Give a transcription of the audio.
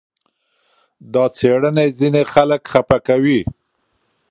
دا څېړنې ځینې خلک خپه کوي.